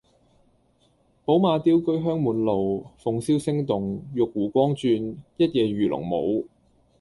寶馬雕車香滿路，鳳簫聲動，玉壺光轉，一夜魚龍舞